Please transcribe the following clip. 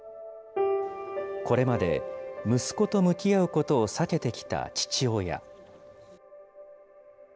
これまで息子と向き合うことを避けてきた父親。